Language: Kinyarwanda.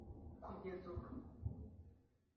Kugeza ubu